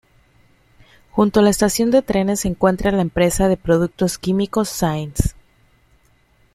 Junto a la estación de trenes se encuentra la empresa de productos químicos Saenz.